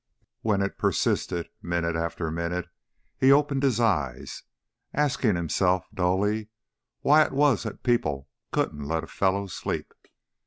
When it persisted, minute after minute, he opened his eyes, asking himself, dully, why it was that people couldn't let a fellow sleep.